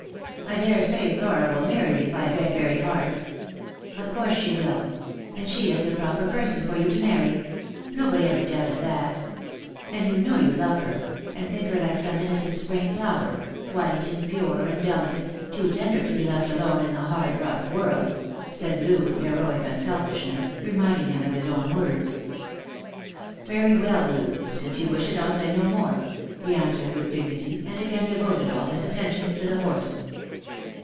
I daresay Flora will marry me if I beg very hard." " Of course she will ; and she is the proper person for you to marry. Nobody ever doubted that. And you know you love her, and think her like some innocent spring flower, white and pure and delicate, too tender to be left alone in the hard rough world," said Loo with heroic unselfishness, reminding him of his own words. "Very well, Loo, since you wish it I'll say no more," he answered with dignity, and again devoted all his attention to the horse.